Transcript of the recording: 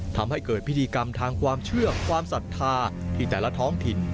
ทำให้เกิดพิธีกรรมทางความเชื่อความศรัทธาที่แต่ละท้องถิ่น